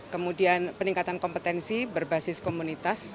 kemudian peningkatan kompetensi berbasis komunitas